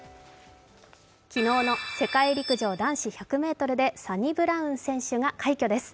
昨日の世界陸上男子１００ｍでサニブラウン選手が快挙です。